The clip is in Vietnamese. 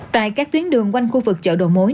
tại các tuyến đường quanh khu vực chợ đồ mối